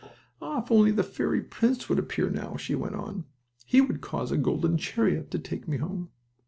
"Ah, if only the fairy prince would appear now," she went on. "He would cause a golden chariot to take me home!"